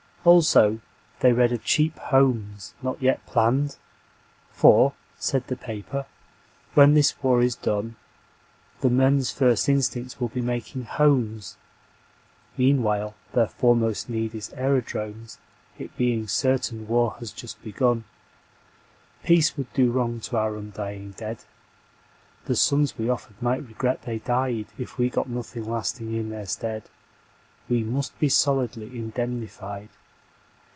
Also, they read of Cheap Homes, not yet planned; For, said the paper, "When this war is done The men's first instinct will be making homes. Meanwhile their foremost need is aerodromes, It being certain war has just begun. Peace would do wrong to our undying dead, The sons we offered might regret they died If we got nothing lasting in their stead. We must be solidly indemnified.